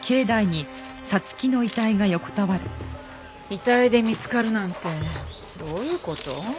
遺体で見つかるなんてどういう事？